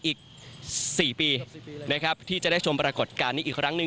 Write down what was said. อีก๔ปีนะครับที่จะได้ชมปรากฏการณ์นี้อีกครั้งหนึ่ง